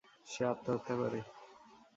সে আত্মহত্যা করে।